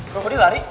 kok dia lari